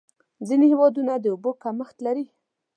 ځینې هېوادونه د اوبو کمښت لري.